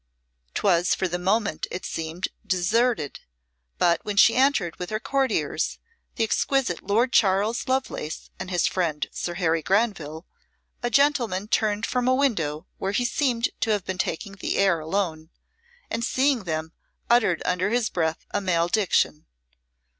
'Twas for the moment, it seemed, deserted, but when she entered with her courtiers, the exquisite Lord Charles Lovelace and his friend Sir Harry Granville, a gentleman turned from a window where he seemed to have been taking the air alone, and seeing them uttered under his breath a malediction.